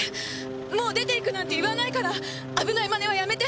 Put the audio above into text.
もう出ていくなんて言わないから危ない真似はやめて。